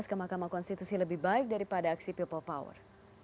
ke mahkamah konstitusi lebih baik daripada aksi people power